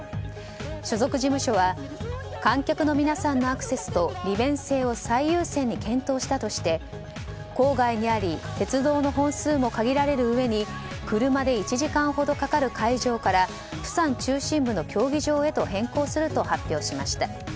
所属事務所は観客の皆さんのアクセスと利便性を最優先に検討したとして郊外にあり鉄道の本数も限られるうえに車で１時間ほどかかる会場からプサン中心部の競技場へと変更すると発表しました。